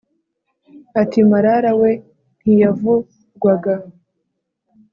Ati « Marara we ntiyavurwaga,